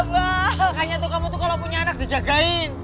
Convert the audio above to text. makanya tuh kamu tuh kalau punya anak dijagain